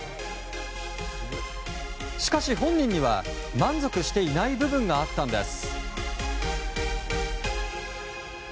しかし、本人には満足していない部分があったんです。